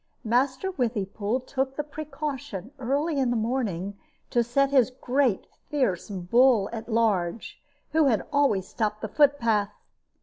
Master Withypool took the precaution, early in the morning, to set his great fierce bull at large, who always stopped the foot path.